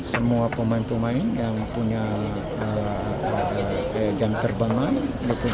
semua pemain pemain yang punya jam terbang lain